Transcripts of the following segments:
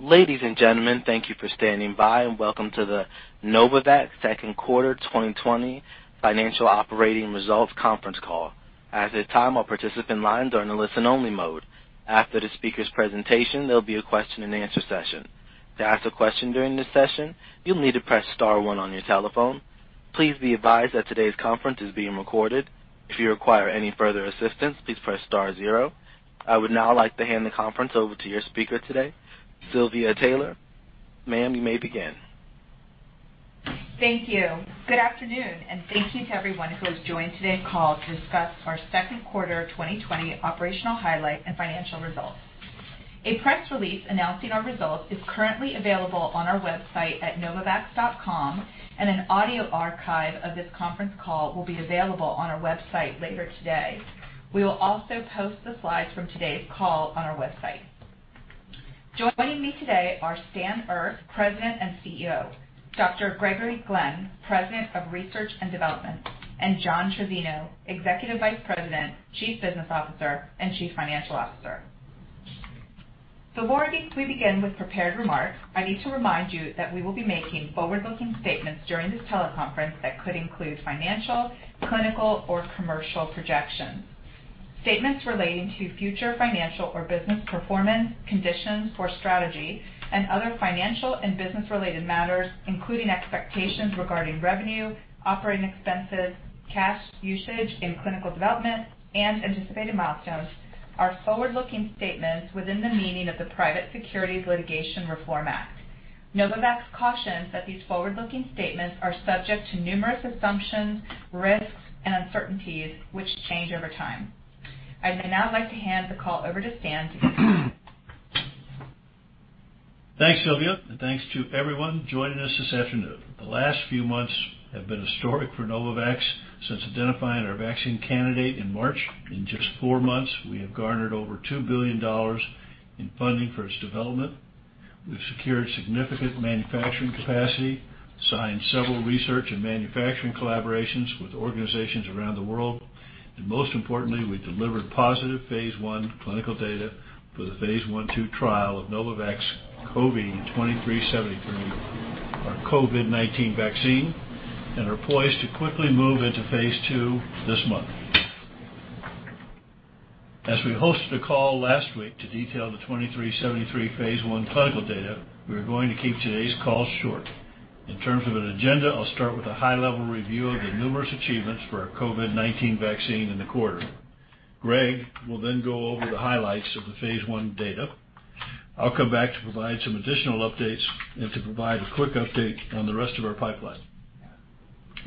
Ladies and gentlemen, thank you for standing by and welcome to the Novavax Second Quarter 2020 Financial Operating Results Conference Call. At this time, all participants are on listen-only mode. After the speaker's presentation, there will be a question-and-answer session. To ask a question during this session, you'll need to press star one on your telephone. Please be advised that today's conference is being recorded. If you require any further assistance, please press star zero. I would now like to hand the conference over to your speaker today, Silvia Taylor. Ma'am, you may begin. Thank you. Good afternoon, and thank you to everyone who has joined today's call to discuss our Second Quarter 2020 operational highlight and financial results. A press release announcing our results is currently available on our website at novavax.com, and an audio archive of this conference call will be available on our website later today. We will also post the slides from today's call on our website. Joining me today are Stan Erck, President and CEO, Dr. Gregory Glenn, President of Research and Development, and John Trizzino, Executive Vice President, Chief Business Officer, and Chief Financial Officer. Before we begin with prepared remarks, I need to remind you that we will be making forward-looking statements during this teleconference that could include financial, clinical, or commercial projections. Statements relating to future financial or business performance, conditions for strategy, and other financial and business-related matters, including expectations regarding revenue, operating expenses, cash usage in clinical development, and anticipated milestones, are forward-looking statements within the meaning of the Private Securities Litigation Reform Act. Novavax cautions that these forward-looking statements are subject to numerous assumptions, risks, and uncertainties which change over time. I'd now like to hand the call over to Stan to continue. Thanks, Silvia. And thanks to everyone joining us this afternoon. The last few months have been historic for Novavax since identifying our vaccine candidate in March. In just four months, we have garnered over $2 billion in funding for its development. We've secured significant manufacturing capacity, signed several research and manufacturing collaborations with organizations around the world, and most importantly, we delivered positive phase I clinical data for the phase I-II trial of Novavax CoV2373, our COVID-19 vaccine, and are poised to quickly move into phase II this month. As we hosted a call last week to detail the 2373 phase I clinical data, we are going to keep today's call short. In terms of an agenda, I'll start with a high-level review of the numerous achievements for our COVID-19 vaccine in the quarter. Greg will then go over the highlights of the phase I data. I'll come back to provide some additional updates and to provide a quick update on the rest of our pipeline.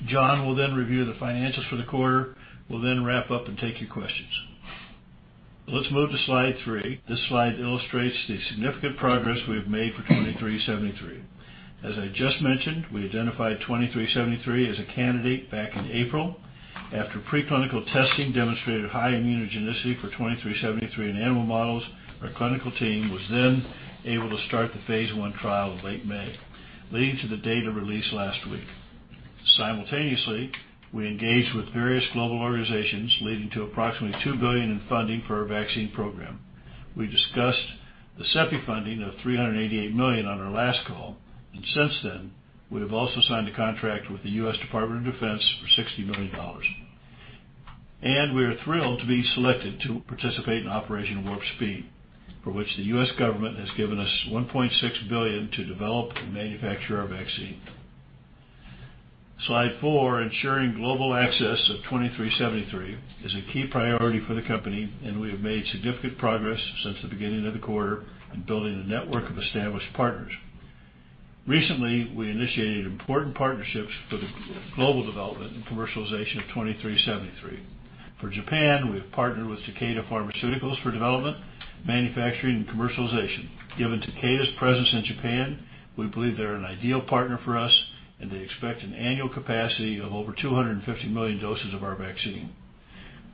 John will then review the financials for the quarter. We'll then wrap up and take your questions. Let's move to slide three. This slide illustrates the significant progress we have made for 2373. As I just mentioned, we identified 2373 as a candidate back in April. After preclinical testing demonstrated high immunogenicity for 2373 in animal models, our clinical team was then able to start the phase I trial in late May, leading to the data release last week. Simultaneously, we engaged with various global organizations, leading to approximately $2 billion in funding for our vaccine program. We discussed the CEPI funding of $388 million on our last call, and since then, we have also signed a contract with the U.S. Department of Defense for $60 million. We are thrilled to be selected to participate in Operation Warp Speed, for which the U.S. government has given us $1.6 billion to develop and manufacture our vaccine. Slide four, ensuring global access of 2373, is a key priority for the company, and we have made significant progress since the beginning of the quarter in building a network of established partners. Recently, we initiated important partnerships for the global development and commercialization of 2373. For Japan, we have partnered with Takeda Pharmaceuticals for development, manufacturing, and commercialization. Given Takeda's presence in Japan, we believe they're an ideal partner for us, and they expect an annual capacity of over 250 million doses of our vaccine.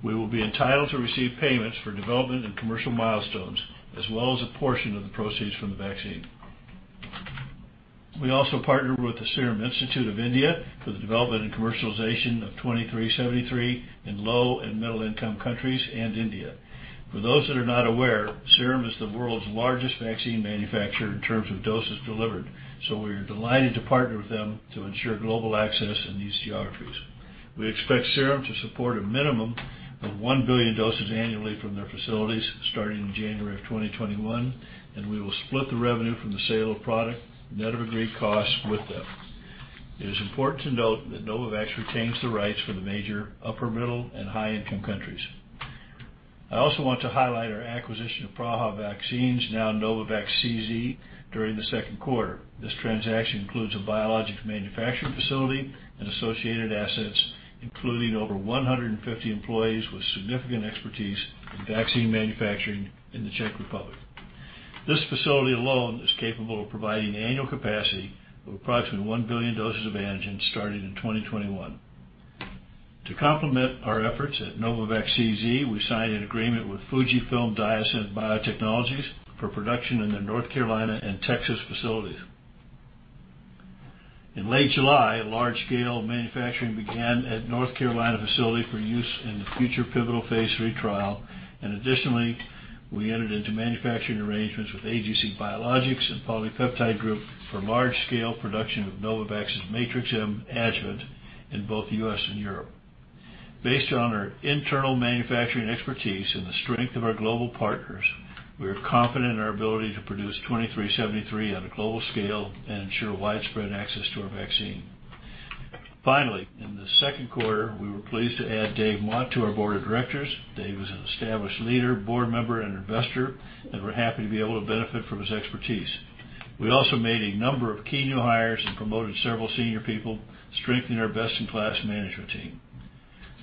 We will be entitled to receive payments for development and commercial milestones, as well as a portion of the proceeds from the vaccine. We also partner with the Serum Institute of India for the development and commercialization of 2373 in low and middle-income countries and India. For those that are not aware, Serum Institute of India is the world's largest vaccine manufacturer in terms of doses delivered, so we are delighted to partner with them to ensure global access in these geographies. We expect Serum Institute of India to support a minimum of $1 billion annually from their facilities starting in January of 2021, and we will split the revenue from the sale of product and net of agreed costs with them. It is important to note that Novavax retains the rights for the major upper-middle and high-income countries. I also want to highlight our acquisition of Praha Vaccines, now Novavax CZ, during the second quarter. This transaction includes a biologics manufacturing facility and associated assets, including over 150 employees with significant expertise in vaccine manufacturing in the Czech Republic. This facility alone is capable of providing annual capacity of approximately 1 billion doses of antigen starting in 2021. To complement our efforts at Novavax CZ, we signed an agreement with Fujifilm Diosynth Biotechnologies for production in their North Carolina and Texas facilities. In late July, large-scale manufacturing began at North Carolina facility for use in the future pivotal phase III trial, and additionally, we entered into manufacturing arrangements with AGC Biologics and PolyPeptide Group for large-scale production of Novavax's Matrix-M adjuvant in both the U.S. and Europe. Based on our internal manufacturing expertise and the strength of our global partners, we are confident in our ability to produce 2373 on a global scale and ensure widespread access to our vaccine. Finally, in the second quarter, we were pleased to add David Mott to our board of directors. David is an established leader, board member, and investor, and we're happy to be able to benefit from his expertise. We also made a number of key new hires and promoted several senior people, strengthening our best-in-class management team.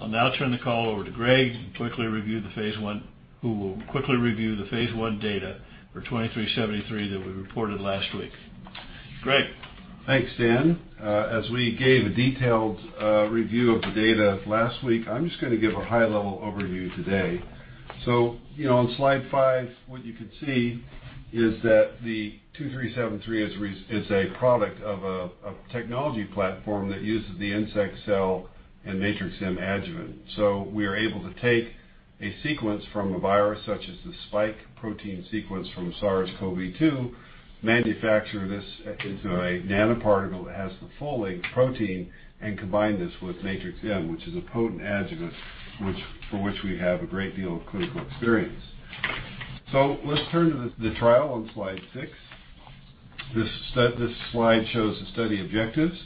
I'll now turn the call over to Greg and quickly review the phase I data for 2373 that we reported last week. Greg. Thanks, Stan. As we gave a detailed review of the data last week, I'm just going to give a high-level overview today. So on slide five, what you can see is that the 2373 is a product of a technology platform that uses the insect cell and Matrix-M adjuvant. So we are able to take a sequence from a virus such as the spike protein sequence from SARS-CoV-2, manufacture this into a nanoparticle that has the full-length protein, and combine this with Matrix-M, which is a potent adjuvant for which we have a great deal of clinical experience. So let's turn to the trial on slide six. This slide shows the study objectives.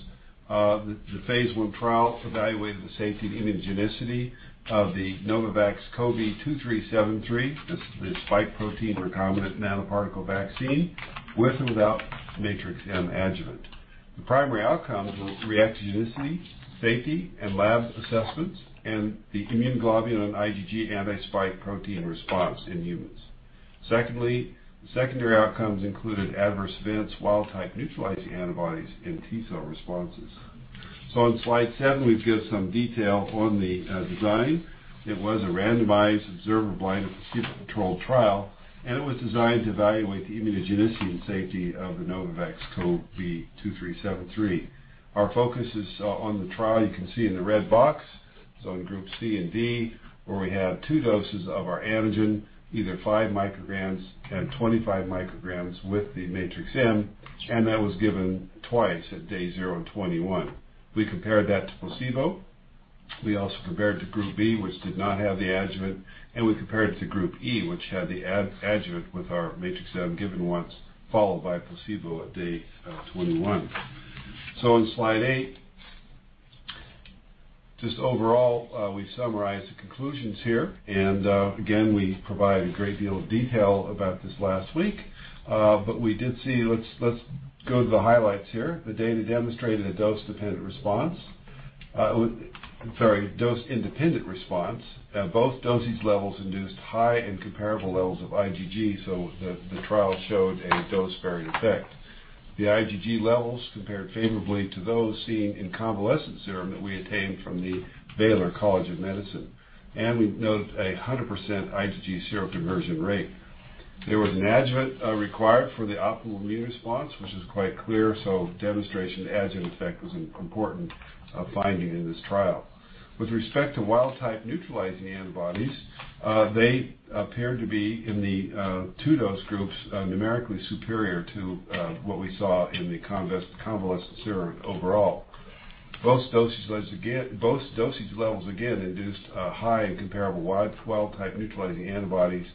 The phase I trial evaluated the safety and immunogenicity of the Novavax CoV2373, the spike protein recombinant nanoparticle vaccine, with and without Matrix-M adjuvant. The primary outcomes were reactogenicity, safety, and lab assessments, and the immunoglobulin and IgG anti-spike protein response in humans. Secondly, the secondary outcomes included adverse events, wild-type neutralizing antibodies, and T cell responses. So on slide seven, we've given some detail on the design. It was a randomized, observer-blind, and placebo-controlled trial, and it was designed to evaluate the immunogenicity and safety of the Novavax CoV2373. Our focus is on the trial you can see in the red box. It's on group C and D, where we had two doses of our antigen, either five micrograms and 25 micrograms, with the Matrix-M, and that was given twice at day zero and 21. We compared that to placebo. We also compared to group B, which did not have the adjuvant, and we compared it to group E, which had the adjuvant with our Matrix-M given once, followed by placebo at day 21. So on slide eight, just overall, we summarize the conclusions here, and again, we provide a great deal of detail about this last week, but we did see. Let's go to the highlights here. The data demonstrated a dose-dependent response. Sorry, dose-independent response. Both dosage levels induced high and comparable levels of IgG, so the trial showed a dose-sparing effect. The IgG levels compared favorably to those seen in convalescent serum that we obtained from the Baylor College of Medicine, and we noted a 100% IgG seroconversion rate. There was an adjuvant required for the optimal immune response, which is quite clear, so demonstration adjuvant effect was an important finding in this trial. With respect to wild-type neutralizing antibodies, they appeared to be in the two-dose groups numerically superior to what we saw in the convalescent serum overall. Both dosage levels, again, induced high and comparable wild-type neutralizing antibodies.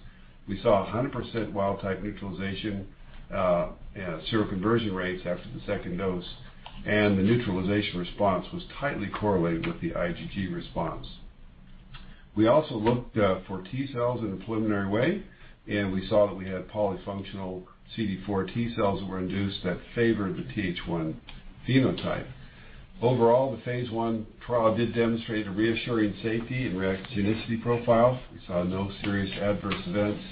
We saw 100% wild-type neutralization seroconversion rates after the second dose, and the neutralization response was tightly correlated with the IgG response. We also looked for T cells in a preliminary way, and we saw that we had polyfunctional CD4 T cells that were induced that favored the Th1 phenotype. Overall, the phase I trial did demonstrate a reassuring safety and reactogenicity profile. We saw no serious adverse events.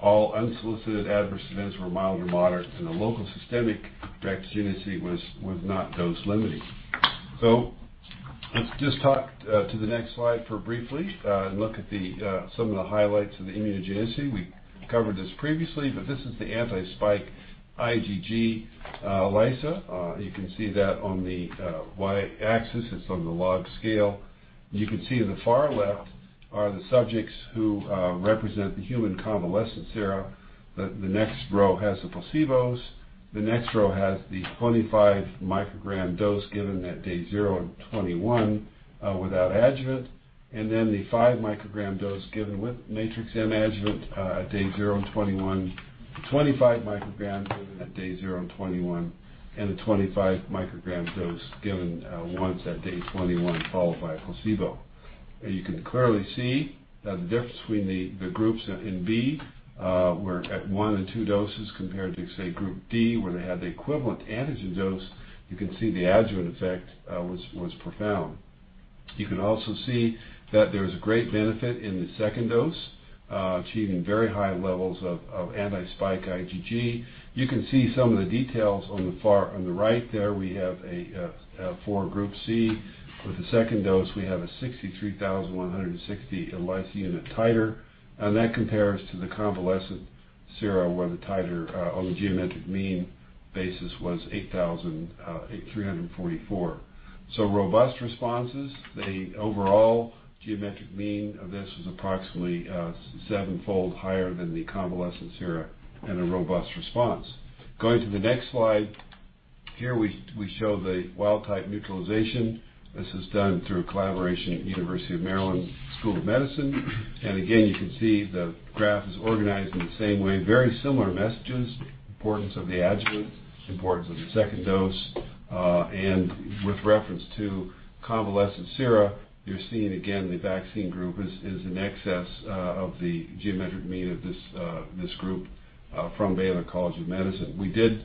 All unsolicited adverse events were mild or moderate, and the local systemic reactogenicity was not dose-limiting. So let's just talk to the next slide for briefly and look at some of the highlights of the immunogenicity. We covered this previously, but this is the anti-spike IgG ELISA. You can see that on the Y-axis. It's on the log scale. You can see in the far left are the subjects who represent the human convalescent serum. The next row has the placebos. The next row has the 25-microgram dose given at day zero and 21 without adjuvant, and then the 5-microgram dose given with Matrix-M adjuvant at day zero and 21, 25 micrograms given at day zero and 21, and a 25-microgram dose given once at day 21, followed by a placebo. You can clearly see that the difference between the groups in B were at one and two doses compared to, say, group D, where they had the equivalent antigen dose. You can see the adjuvant effect was profound. You can also see that there was a great benefit in the second dose, achieving very high levels of anti-spike IgG. You can see some of the details on the right there. We have for group C, with the second dose, we have a 63,160 ELISA unit titer, and that compares to the convalescent serum where the titer on the geometric mean basis was 8,344. So robust responses. The overall geometric mean of this was approximately seven-fold higher than the convalescent serum and a robust response. Going to the next slide, here we show the wild-type neutralization. This is done through collaboration with the University of Maryland School of Medicine, and again, you can see the graph is organized in the same way. Very similar messages: importance of the adjuvant, importance of the second dose, and with reference to convalescent serum, you're seeing again the vaccine group is in excess of the geometric mean of this group from Baylor College of Medicine. We did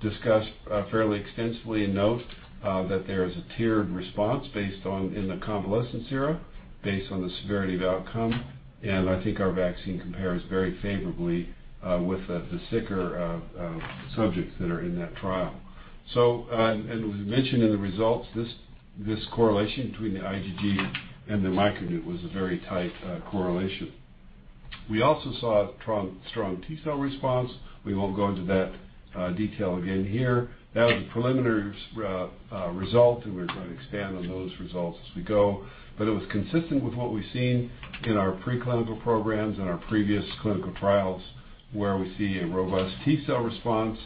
discuss fairly extensively in note that there is a tiered response based on the convalescent serum, based on the severity of outcome, and I think our vaccine compares very favorably with the sicker subjects that are in that trial. As we mentioned in the results, this correlation between the IgG and the microneutralization was a very tight correlation. We also saw a strong T cell response. We won't go into that detail again here. That was a preliminary result, and we're going to expand on those results as we go, but it was consistent with what we've seen in our preclinical programs and our previous clinical trials, where we see a robust T cell response,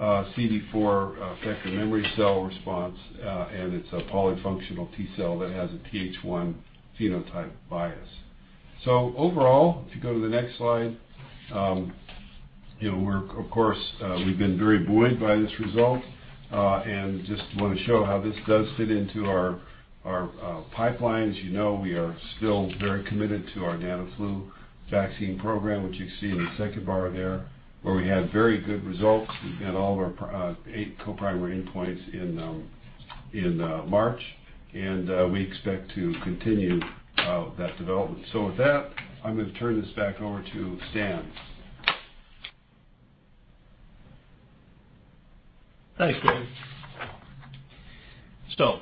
CD4 effector memory cell response, and it's a polyfunctional T cell that has a Th1 phenotype bias. So overall, if you go to the next slide, of course, we've been very buoyed by this result and just want to show how this does fit into our pipeline. As you know, we are still very committed to our NanoFlu vaccine program, which you can see in the second bar there, where we had very good results. We've got all of our eight coprimary endpoints in March, and we expect to continue that development. So with that, I'm going to turn this back over to Stan. Thanks, Greg. So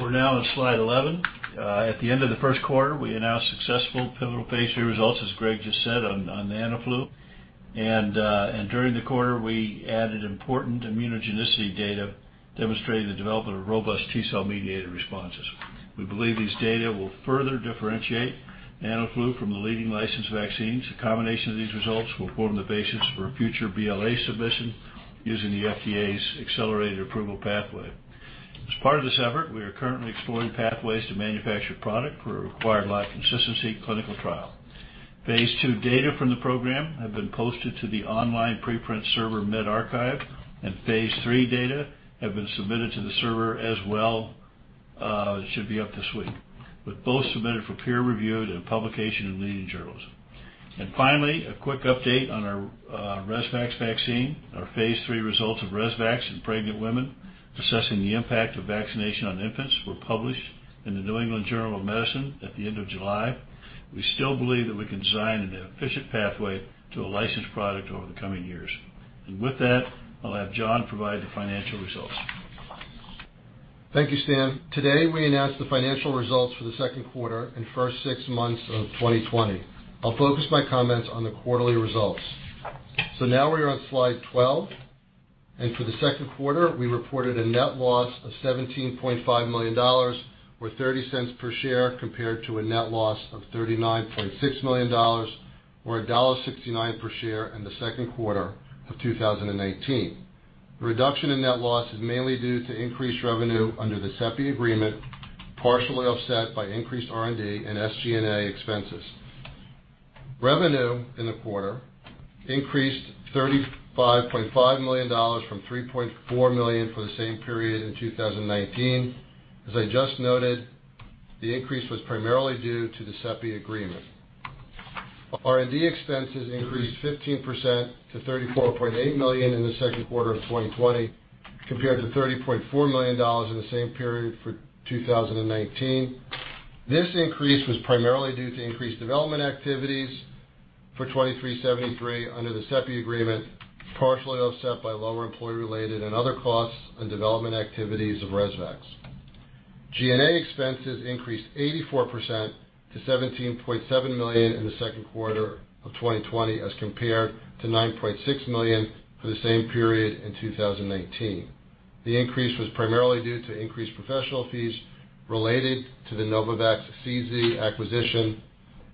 we're now at slide 11. At the end of the first quarter, we announced successful pivotal phase III results, as Greg just said, on NanoFlu, and during the quarter, we added important immunogenicity data demonstrating the development of robust T cell mediated responses. We believe these data will further differentiate NanoFlu from the leading licensed vaccines. The combination of these results will form the basis for future BLA submission using the FDA's accelerated approval pathway. As part of this effort, we are currently exploring pathways to manufacture product for a required lot consistency clinical trial. Phase II data from the program have been posted to the online preprint server medRxiv, and phase III data have been submitted to the server as well. It should be up this week, with both submitted for peer review and publication in leading journals. And finally, a quick update on our ResVax vaccine. Our phase III results of ResVax in pregnant women assessing the impact of vaccination on infants were published in the New England Journal of Medicine at the end of July. We still believe that we can design an efficient pathway to a licensed product over the coming years, and with that, I'll have John provide the financial results. Thank you, Stan. Today, we announced the financial results for the second quarter and first six months of 2020. I'll focus my comments on the quarterly results. So now we're on slide 12, and for the second quarter, we reported a net loss of $17.5 million, or $0.30 per share, compared to a net loss of $39.6 million, or $1.69 per share in the second quarter of 2019. The reduction in net loss is mainly due to increased revenue under the CEPI agreement, partially offset by increased R&D and SG&A expenses. Revenue in the quarter increased $35.5 million from $3.4 million for the same period in 2019. As I just noted, the increase was primarily due to the CEPI agreement. R&D expenses increased 15% to $34.8 million in the second quarter of 2020, compared to $30.4 million in the same period for 2019. This increase was primarily due to increased development activities for 2373 under the CEPI agreement, partially offset by lower employee-related and other costs and development activities of ResVax. G&A expenses increased 84% to $17.7 million in the second quarter of 2020, as compared to $9.6 million for the same period in 2019. The increase was primarily due to increased professional fees related to the Novavax CZ acquisition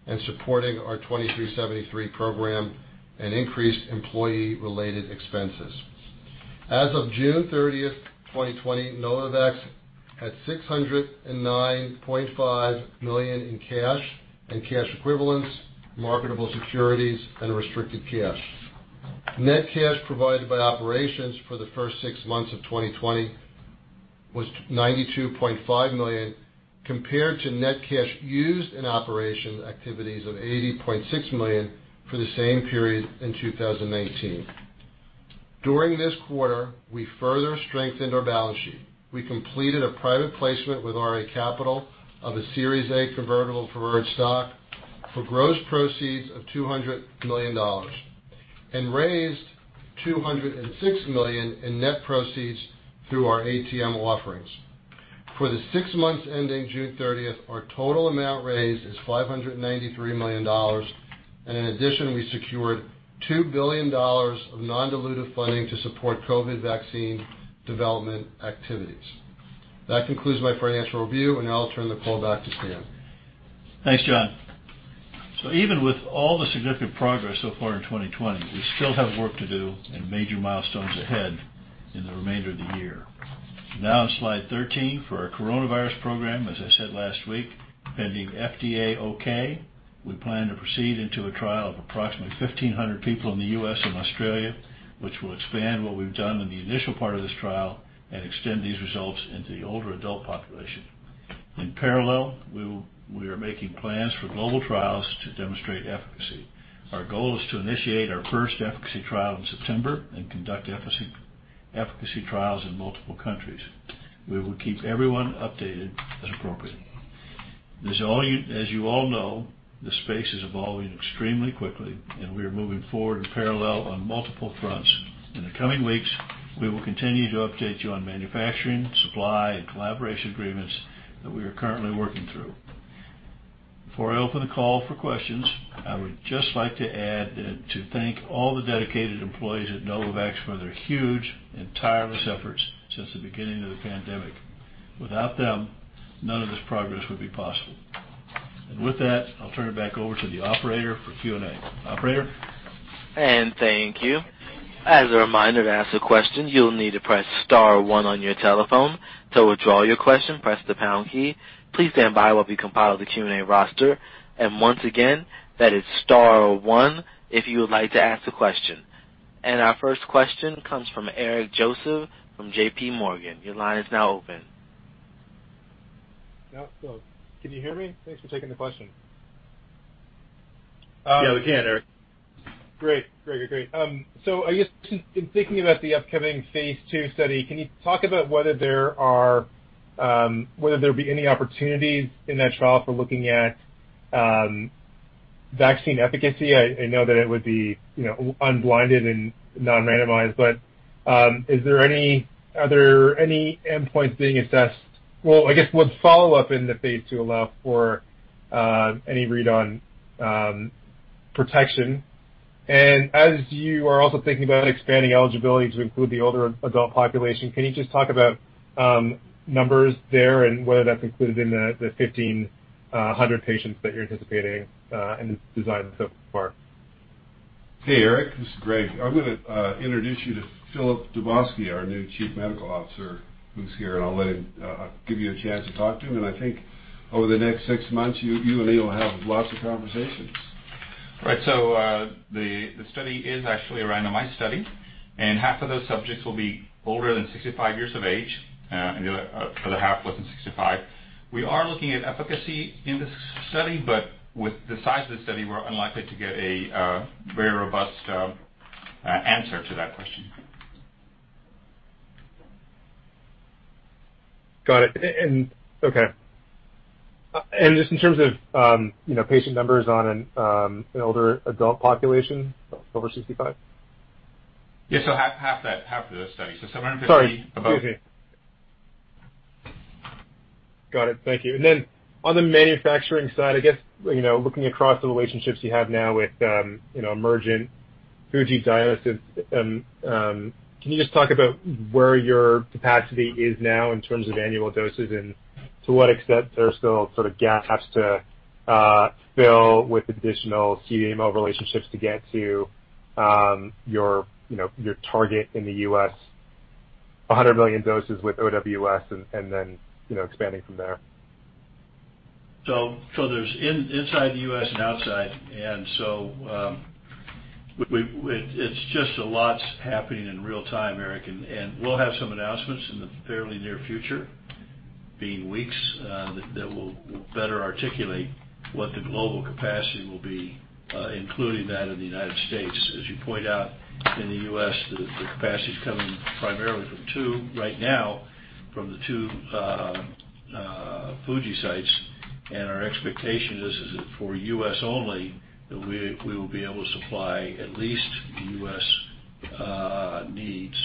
and supporting our 2373 program and increased employee-related expenses. As of June 30th, 2020, Novavax had $609.5 million in cash and cash equivalents, marketable securities, and restricted cash. Net cash provided by operations for the first six months of 2020 was $92.5 million, compared to net cash used in operation activities of $80.6 million for the same period in 2019. During this quarter, we further strengthened our balance sheet. We completed a private placement with RA Capital of a Series A convertible preferred stock for gross proceeds of $200 million and raised $206 million in net proceeds through our ATM offerings. For the six months ending June 30th, our total amount raised is $593 million, and in addition, we secured $2 billion of non-dilutive funding to support COVID vaccine development activities. That concludes my financial review, and now I'll turn the call back to Stan. Thanks, John. So even with all the significant progress so far in 2020, we still have work to do and major milestones ahead in the remainder of the year. Now on slide 13, for our coronavirus program, as I said last week, pending FDA okay, we plan to proceed into a trial of approximately 1,500 people in the U.S. and Australia, which will expand what we've done in the initial part of this trial and extend these results into the older adult population. In parallel, we are making plans for global trials to demonstrate efficacy. Our goal is to initiate our first efficacy trial in September and conduct efficacy trials in multiple countries. We will keep everyone updated as appropriate. As you all know, the space is evolving extremely quickly, and we are moving forward in parallel on multiple fronts. In the coming weeks, we will continue to update you on manufacturing, supply, and collaboration agreements that we are currently working through. Before I open the call for questions, I would just like to add that to thank all the dedicated employees at Novavax for their huge and tireless efforts since the beginning of the pandemic. Without them, none of this progress would be possible. And with that, I'll turn it back over to the operator for Q&A. Operator. Thank you. As a reminder, to ask a question, you'll need to press star one on your telephone. To withdraw your question, press the pound key. Please stand by while we compile the Q&A roster. Once again, that is star one if you would like to ask a question. Our first question comes from Eric Joseph from J.P. Morgan. Your line is now open. Yep. So can you hear me? Thanks for taking the question. Yeah, we can, Eric. Great. Great, great, great. So I guess in thinking about the upcoming phase II study, can you talk about whether there would be any opportunities in that trial for looking at vaccine efficacy? I know that it would be unblinded and non-randomized, but is there any other endpoints being assessed? Well, I guess would follow up in the phase II allow for any read-on protection? And as you are also thinking about expanding eligibility to include the older adult population, can you just talk about numbers there and whether that's included in the 1,500 patients that you're anticipating and designed so far? Hey, Eric. This is Greg. I'm going to introduce you to Filip Dubovsky, our new Chief Medical Officer who's here, and I'll let him give you a chance to talk to him. And I think over the next six months, you and he will have lots of conversations. All right. So the study is actually a randomized study, and half of those subjects will be older than 65 years of age, and the other half less than 65. We are looking at efficacy in this study, but with the size of the study, we're unlikely to get a very robust answer to that question. Got it. And okay. And just in terms of patient numbers on an older adult population over 65? Yeah. So half of the study. So 750 above. Sorry. Excuse me. Got it. Thank you. And then on the manufacturing side, I guess looking across the relationships you have now with Emergent, Fuji Diosynth, can you just talk about where your capacity is now in terms of annual doses and to what extent there are still sort of gaps to fill with additional CDMO relationships to get to your target in the U.S., 100 million doses with OWS, and then expanding from there? There's inside the U.S. and outside, and so it's just a lot happening in real time, Eric, and we'll have some announcements in the fairly near future, being weeks, that will better articulate what the global capacity will be, including that in the United States. As you point out, in the U.S., the capacity is coming primarily from two right now, from the two Fuji sites, and our expectation is for U.S. only that we will be able to supply at least U.S. needs,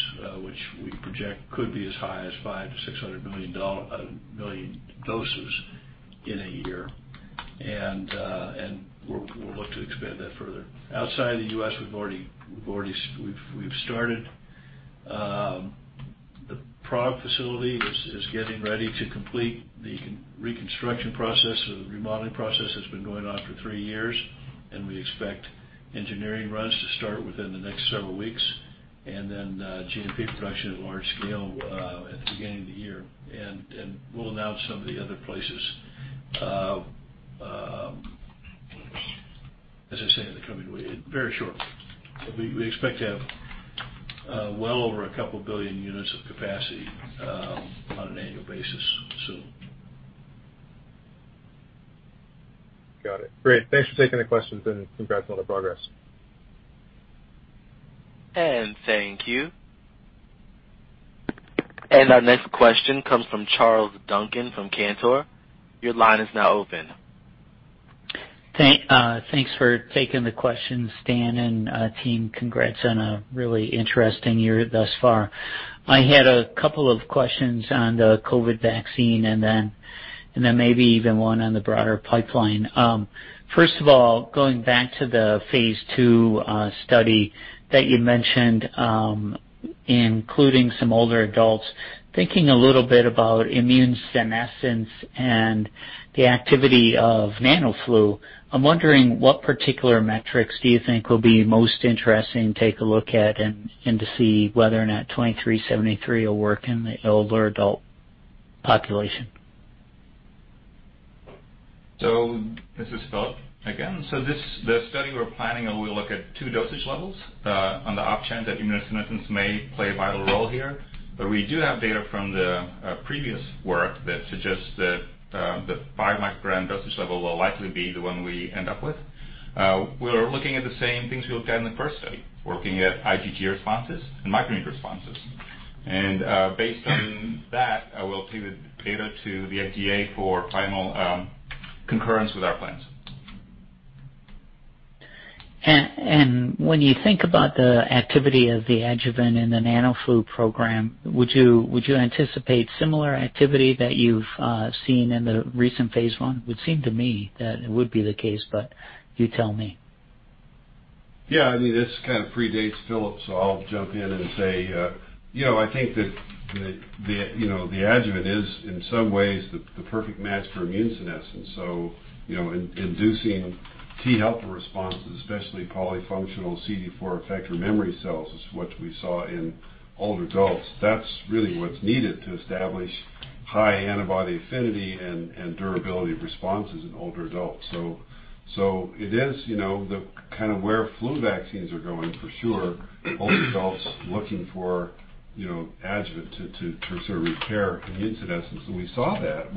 which we project could be as high as five to 600 million doses in a year, and we'll look to expand that further. Outside the U.S., we've already started. The Prague facility is getting ready to complete the reconstruction process or the remodeling process. It's been going on for three years, and we expect engineering runs to start within the next several weeks and then GMP production at large scale at the beginning of the year, and we'll announce some of the other places, as I say, in the coming week, very shortly. We expect to have well over a couple billion units of capacity on an annual basis soon. Got it. Great. Thanks for taking the questions and congrats on the progress. Thank you. Our next question comes from Charles Duncan from Cantor. Your line is now open. Thanks for taking the questions, Stan and team. Congrats on a really interesting year thus far. I had a couple of questions on the COVID vaccine and then maybe even one on the broader pipeline. First of all, going back to the phase II study that you mentioned, including some older adults, thinking a little bit about immunosenescence and the activity of NanoFlu, I'm wondering what particular metrics do you think will be most interesting to take a look at and to see whether or not 2373 will work in the older adult population? This is Filip again. The study we're planning, we'll look at two dosage levels on the options that immunogenicity may play a vital role here, but we do have data from the previous work that suggests that the 5-microgram dosage level will likely be the one we end up with. We're looking at the same things we looked at in the first study. We're looking at IgG responses and microneutralization responses. Based on that, I will take the data to the FDA for final concurrence with our plans. And when you think about the activity of the adjuvant in the NanoFlu program, would you anticipate similar activity that you've seen in the recent phase I? It would seem to me that it would be the case, but you tell me. Yeah. I mean, this kind of predates Filip, so I'll jump in and say I think that the adjuvant is, in some ways, the perfect match for immune senescence. So inducing T helper responses, especially polyfunctional CD4 effector memory cells, is what we saw in older adults. That's really what's needed to establish high antibody affinity and durability responses in older adults. So it is the kind of where flu vaccines are going for sure, older adults looking for adjuvant to sort of repair immune senescence. And we saw that.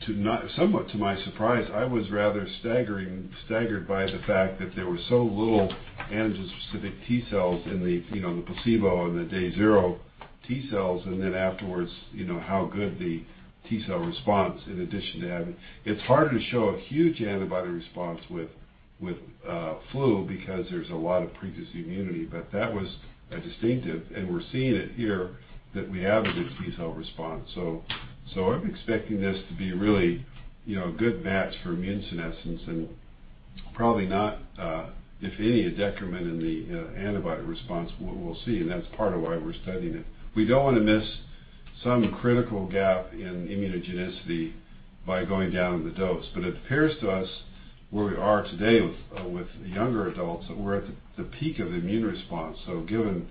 And somewhat to my surprise, I was rather staggered by the fact that there were so little antigen-specific T cells in the placebo and the day zero T cells, and then afterwards how good the T cell response in addition to having, it's harder to show a huge antibody response with flu because there's a lot of previous immunity, but that was a distinctive, and we're seeing it here, that we have a good T cell response. So I'm expecting this to be really a good match for immune senescence and probably not, if any, a detriment in the antibody response we'll see. And that's part of why we're studying it. We don't want to miss some critical gap in immunogenicity by going down the dose. But it appears to us where we are today with younger adults, we're at the peak of immune response. So given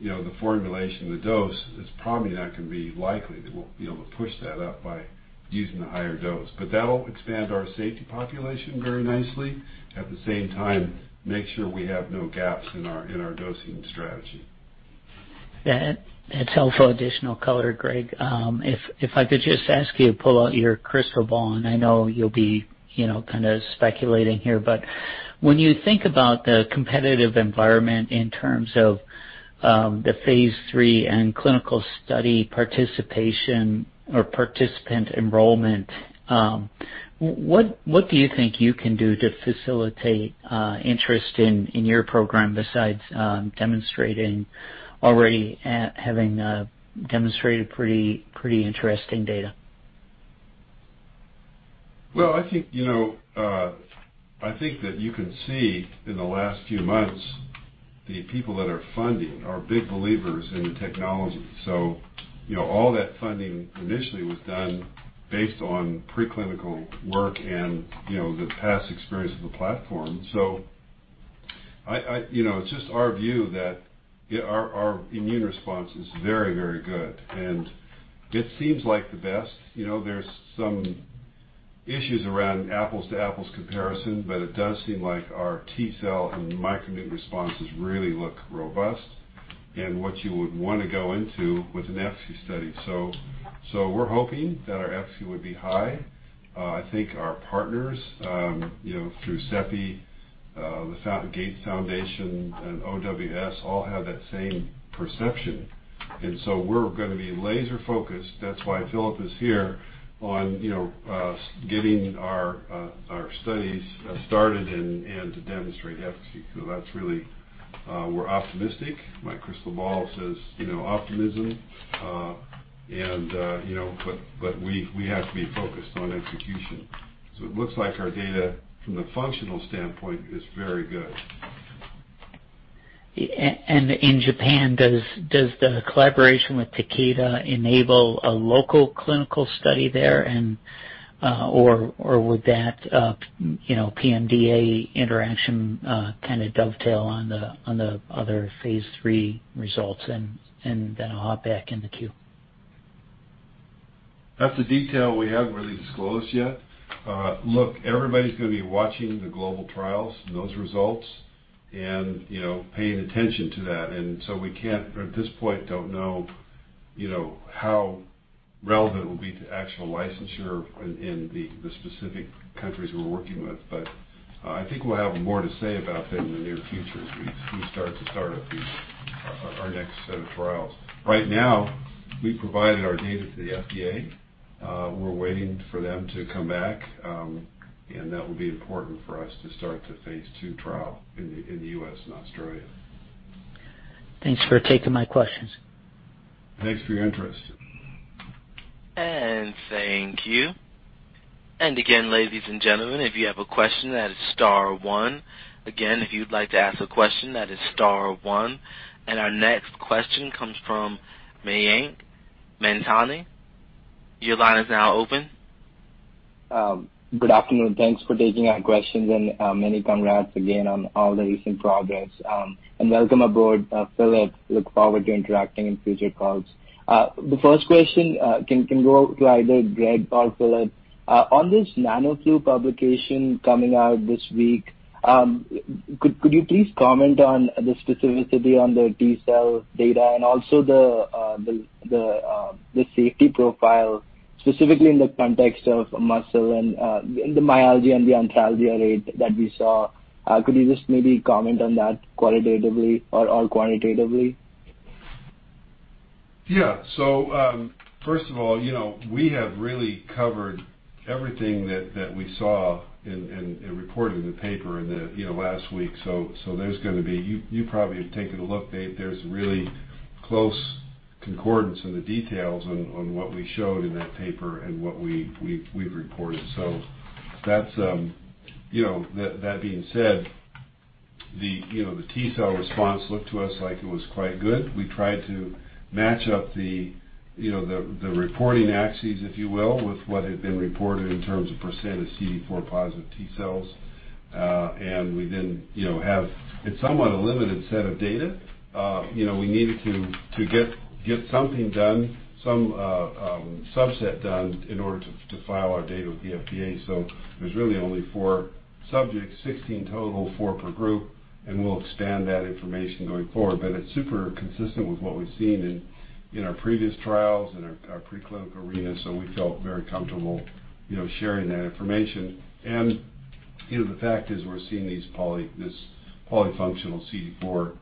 the formulation, the dose, it's probably not going to be likely that we'll be able to push that up by using the higher dose. But that'll expand our safety population very nicely. At the same time, make sure we have no gaps in our dosing strategy. Yeah. And it's helpful additional color, Greg. If I could just ask you to pull out your crystal ball, and I know you'll be kind of speculating here, but when you think about the competitive environment in terms of the phase III and clinical study participation or participant enrollment, what do you think you can do to facilitate interest in your program besides already having demonstrated pretty interesting data? I think that you can see in the last few months, the people that are funding are big believers in the technology, so all that funding initially was done based on preclinical work and the past experience of the platform, so it's just our view that our immune response is very, very good, and it seems like the best. There's some issues around apples-to-apples comparison, but it does seem like our T cell and microneutralization responses really look robust in what you would want to go into with an efficacy study, so we're hoping that our efficacy would be high. I think our partners through CEPI, the Gates Foundation, and OWS all have that same perception, and so we're going to be laser-focused. That's why Filip is here on getting our studies started and to demonstrate efficacy, so that's really we're optimistic. My crystal ball says optimism, but we have to be focused on execution. So it looks like our data from the functional standpoint is very good. And in Japan, does the collaboration with Takeda enable a local clinical study there or would that PMDA interaction kind of dovetail on the other phase III results? And then I'll hop back in the queue. That's the detail we haven't really disclosed yet. Look, everybody's going to be watching the global trials and those results and paying attention to that. And so we can't, at this point, don't know how relevant it will be to actual licensure in the specific countries we're working with, but I think we'll have more to say about that in the near future as we start up our next set of trials. Right now, we provided our data to the FDA. We're waiting for them to come back, and that will be important for us to start the phase II trial in the U.S. and Australia. Thanks for taking my questions. Thanks for your interest. And thank you. And again, ladies and gentlemen, if you have a question, that is star one. Again, if you'd like to ask a question, that is star one. And our next question comes from Mayank Mamtani. Your line is now open. Good afternoon. Thanks for taking our questions, and many congrats again on all the recent progress. And welcome aboard, Filip. Look forward to interacting in future calls. The first question can go to either Greg or Filip. On this NanoFlu publication coming out this week, could you please comment on the specificity on the T cell data and also the safety profile, specifically in the context of muscle and the myalgia and the arthralgia rate that we saw? Could you just maybe comment on that qualitatively or quantitatively? Yeah. So first of all, we have really covered everything that we saw and reported in the paper in the last week. So, there's going to be. You probably have taken a look. There's really close concordance in the details on what we showed in that paper and what we've reported. So that being said, the T cell response looked to us like it was quite good. We tried to match up the reporting axes, if you will, with what had been reported in terms of % of CD4-positive T cells. And we then have a somewhat limited set of data. We needed to get something done, some subset done in order to file our data with the FDA. So there's really only four subjects, 16 total, four per group, and we'll expand that information going forward. But it's super consistent with what we've seen in our previous trials and our preclinical arena. So we felt very comfortable sharing that information. And the fact is we're seeing this polyfunctional CD4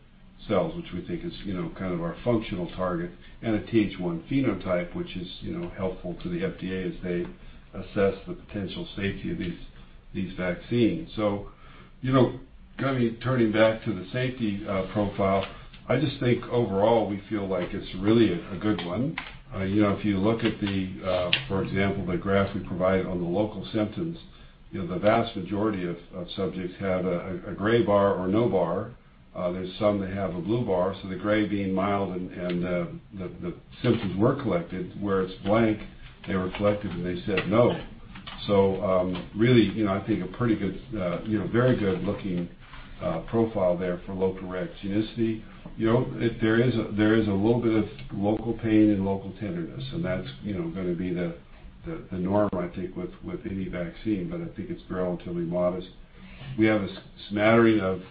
cells, which we think is kind of our functional target, and a Th1 phenotype, which is helpful to the FDA as they assess the potential safety of these vaccines. So turning back to the safety profile, I just think overall we feel like it's really a good one. If you look at, for example, the graph we provided on the local symptoms, the vast majority of subjects have a gray bar or no bar. There's some that have a blue bar. So the gray being mild and the symptoms were collected. Where it's blank, they were collected and they said no. So really, I think a pretty good, very good-looking profile there for local reactogenicity. There is a little bit of local pain and local tenderness, and that's going to be the norm, I think, with any vaccine, but I think it's relatively modest. We have a smattering of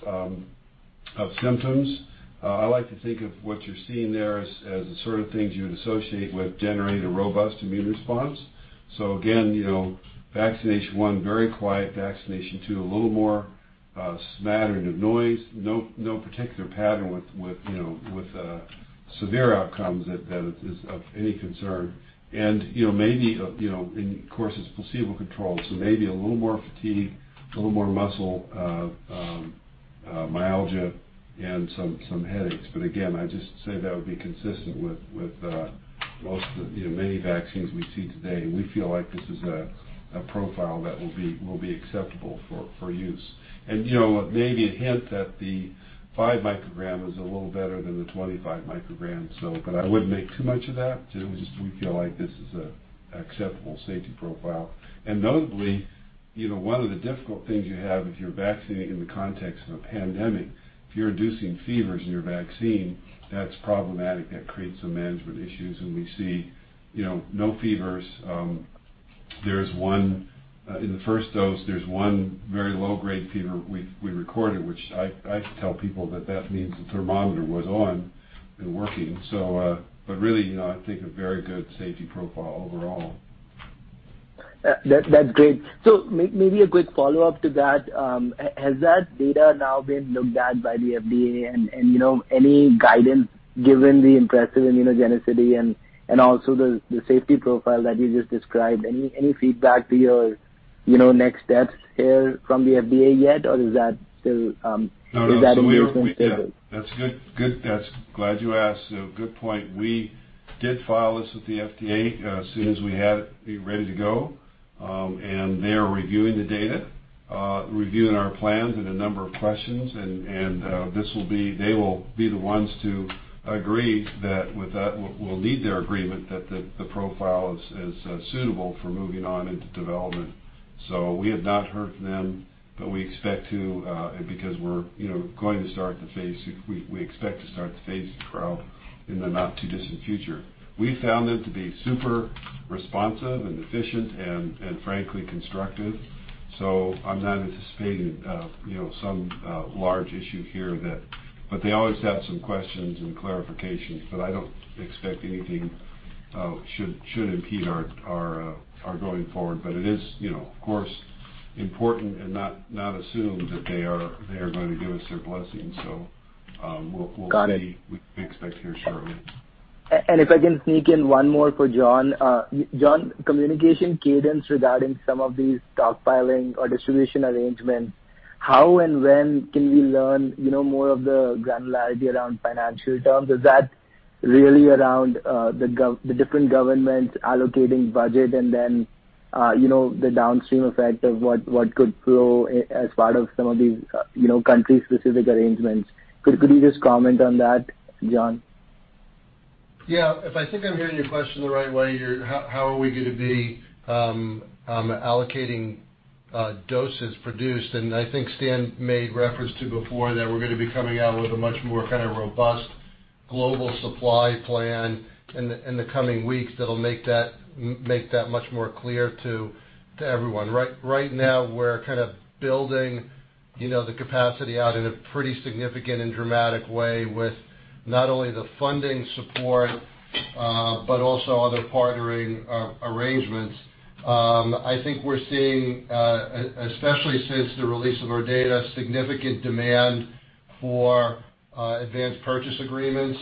symptoms. I like to think of what you're seeing there as the sort of things you'd associate with generating a robust immune response. So again, vaccination one, very quiet. Vaccination two, a little more smattering of noise. No particular pattern with severe outcomes that is of any concern. And maybe, of course, it's placebo-controlled. So maybe a little more fatigue, a little more muscle myalgia, and some headaches. But again, I just say that would be consistent with many vaccines we see today. We feel like this is a profile that will be acceptable for use. And maybe a hint that the 5-microgram is a little better than the 25-microgram. But I wouldn't make too much of that. We feel like this is an acceptable safety profile. And notably, one of the difficult things you have if you're vaccinating in the context of a pandemic, if you're inducing fevers in your vaccine, that's problematic. That creates some management issues, and we see no fevers. In the first dose, there's one very low-grade fever we recorded, which I tell people that that means the thermometer was on and working. But really, I think a very good safety profile overall. That's great. So maybe a quick follow-up to that. Has that data now been looked at by the FDA? And any guidance given the impressive immunogenicity and also the safety profile that you just described? Any feedback to your next steps here from the FDA yet, or is that still stable? That's good. That's glad you asked. So good point. We did file this with the FDA as soon as we had it ready to go, and they're reviewing the data, reviewing our plans and a number of questions. And they will be the ones to agree that we'll need their agreement that the profile is suitable for moving on into development. So we have not heard from them, but we expect to because we're going to start the phase III. We expect to start the phase III trial in the not-too-distant future. We found them to be super responsive and efficient and, frankly, constructive. So I'm not anticipating some large issue here, but they always have some questions and clarifications, but I don't expect anything should impede our going forward. But it is, of course, important and not assume that they are going to give us their blessing. So we'll be expecting it shortly. If I can sneak in one more for John. John, communication cadence regarding some of these stockpiling or distribution arrangements, how and when can we learn more of the granularity around financial terms? Is that really around the different governments allocating budget and then the downstream effect of what could flow as part of some of these country-specific arrangements? Could you just comment on that, John? Yeah. If I think I'm hearing your question the right way, how are we going to be allocating doses produced? And I think Stan made reference to before that we're going to be coming out with a much more kind of robust global supply plan in the coming weeks that'll make that much more clear to everyone. Right now, we're kind of building the capacity out in a pretty significant and dramatic way with not only the funding support but also other partnering arrangements. I think we're seeing, especially since the release of our data, significant demand for advanced purchase agreements,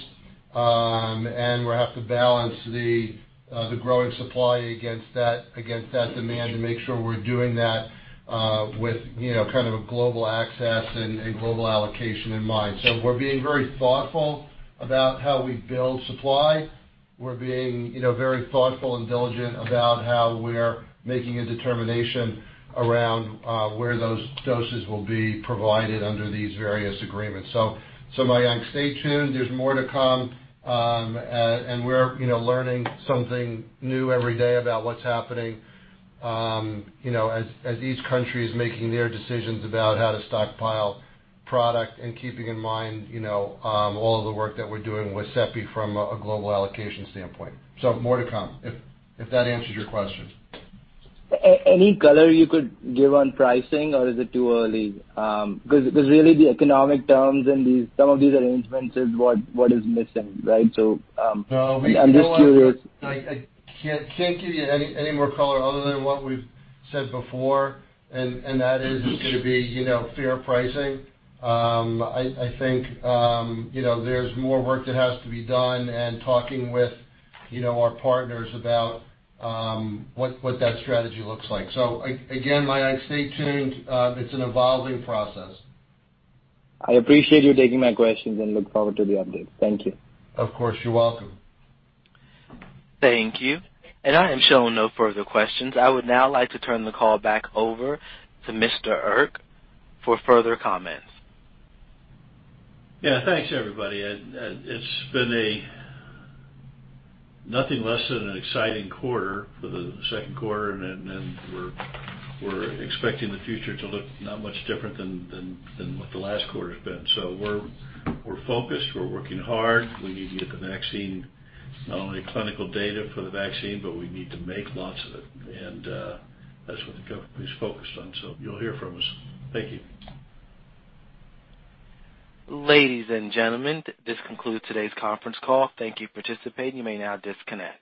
and we have to balance the growing supply against that demand and make sure we're doing that with kind of a global access and global allocation in mind. So we're being very thoughtful about how we build supply. We're being very thoughtful and diligent about how we're making a determination around where those doses will be provided under these various agreements, so Mayank, stay tuned. There's more to come, and we're learning something new every day about what's happening as each country is making their decisions about how to stockpile product, and keeping in mind all of the work that we're doing with CEPI from a global allocation standpoint, more to come if that answers your question? Any color you could give on pricing, or is it too early? Because really, the economic terms and some of these arrangements is what is missing, right? So I'm just curious. I can't give you any more color other than what we've said before, and that is it's going to be fair pricing. I think there's more work that has to be done and talking with our partners about what that strategy looks like. So again, Mayank, stay tuned. It's an evolving process. I appreciate you taking my questions and look forward to the updates. Thank you. Of course. You're welcome. Thank you, and I am showing no further questions. I would now like to turn the call back over to Mr. Erck for further comments. Yeah. Thanks, everybody. It's been nothing less than an exciting quarter for the second quarter, and we're expecting the future to look not much different than what the last quarter has been. So we're focused. We're working hard. We need to get the vaccine, not only clinical data for the vaccine, but we need to make lots of it. And that's what the government is focused on. So you'll hear from us. Thank you. Ladies and gentlemen, this concludes today's conference call. Thank you for participating. You may now disconnect.